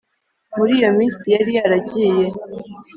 Muri iyo minsi yari yaragiye.